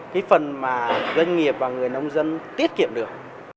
cái phần mà doanh nghiệp và người nông dân tiết kiệm được